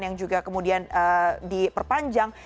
yang juga kemudian diperpanjang